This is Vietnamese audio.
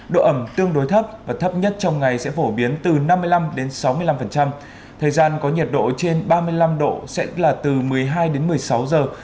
độ ẩm tương đối thấp và thấp nhất trong ngày sẽ phổ biến từ năm mươi năm sáu mươi năm thời gian có nhiệt độ trên ba mươi năm độ sẽ là từ một mươi hai đến một mươi sáu giờ